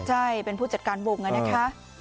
ใช่เป็นผู้จัดการวงนะคะ